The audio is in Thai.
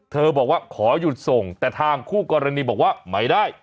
บอกว่าขอหยุดส่งแต่ทางคู่กรณีบอกว่าไม่ได้